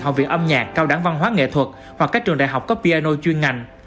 học viện âm nhạc cao đẳng văn hóa nghệ thuật hoặc các trường đại học có piano chuyên ngành